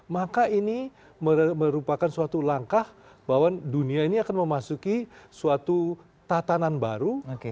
maka ini merupakan suatu langkah bahwa dunia ini akan memasuki suatu tatanan baru